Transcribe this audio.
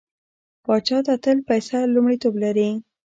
پاچا ته تل پيسه لومړيتوب لري.